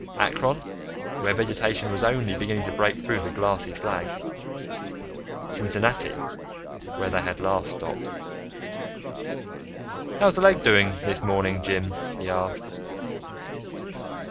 Akron, where vegetation was only beginning to break through the glassy slag ... Cincinnati, where they had last stopped.... "How's the leg this morning, Jim?" he asked.